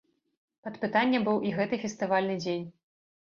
Пад пытаннем быў і гэты фестывальны дзень.